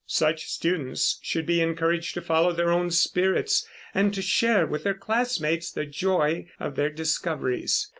Such students should be encouraged to follow their own spirits, and to share with their classmates the joy of their discoveries.